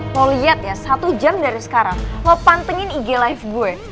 lo liat ya satu jam dari sekarang lo pantengin ig live gue